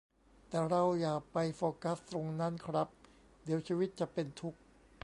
แต่เราอย่าไปโฟกัสตรงนั้นครับ เดี๋ยวชีวิตจะเป็นทุกข์